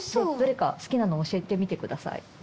どれか好きなの押してみてください